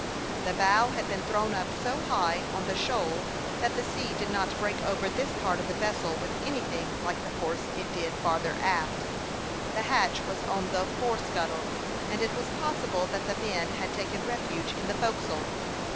The bow had been thrown up so high on the shoal that the sea did not break over this part of the vessel with anything like the force it did farther aft. The hatch was on the fore scuttle, and it was possible that the men had taken refuge in the forecastle.